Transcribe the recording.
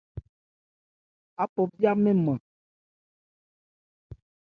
Apo bya mɛ́n nman.